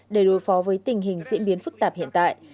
để đối phó với tình hình diễn biến phức tạp hiện tại